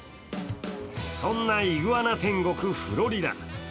そんなイグアナ天国・フロリダ。